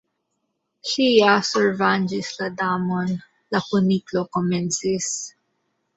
"Ŝi ja survangis la Damon " la Kuniklo komencis.